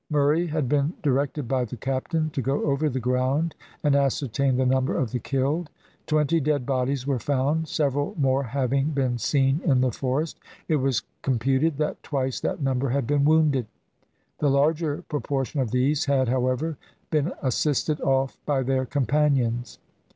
Murray had been directed by the captain to go over the ground and ascertain the number of the killed. Twenty dead bodies were found; several more having been seen in the forest, it was computed that twice that number had been wounded; the larger proportion of these had, however, been assisted off by their companions.